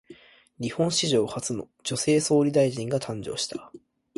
日本史上初の女性総理大臣が誕生した。